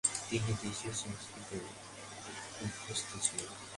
তিনি দেশীয় সংস্কৃতিতে অভ্যস্ত ছিলেন।